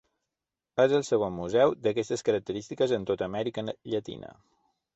És el segon museu d'aquestes característiques en tota Amèrica Llatina.